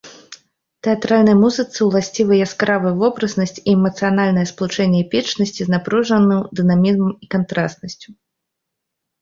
Тэатральнай музыцы ўласцівы яскравая вобразнасць і эмацыянальнае спалучэнне эпічнасці з напружаным дынамізмам і кантрастнасцю.